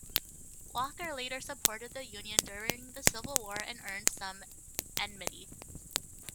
Walker later supported the Union during the Civil War and earned some enmity.